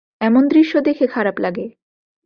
এমন দৃশ্য দেখে খারাপ লাগে।